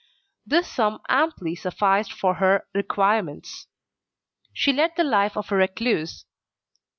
This sum amply sufficed for her requirements. She led the life of a recluse.